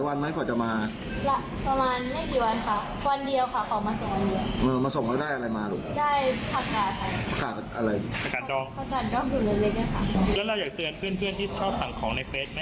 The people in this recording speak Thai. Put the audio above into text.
ก็อยากเจอว่าให้คิดเยอะค่ะอย่าห่วง